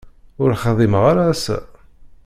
Ur xdimeɣ ara ass-a.